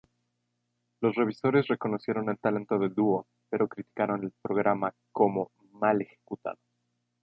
Los revisores reconocieron el talento del dúo, pero criticaron el programa como "mal ejecutado".